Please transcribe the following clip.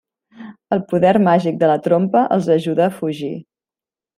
El poder màgic de la trompa els ajuda a fugir.